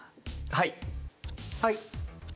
はい。